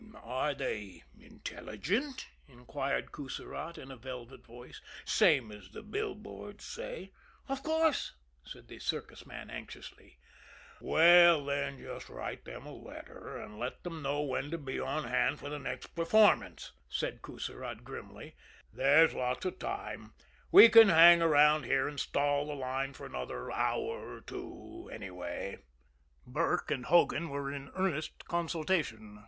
"Are they intelligent," inquired Coussirat in a velvet voice, "same as the billboards say?" "Of course," said the circus man anxiously. "Well, then, just write them a letter and let them know when to be on hand for the next performance," said Coussirat grimly. "There's lots of time we can hang around here and stall the line for another hour or two, anyway!" Burke and Hogan were in earnest consultation.